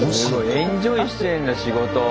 エンジョイしてるんだ仕事を。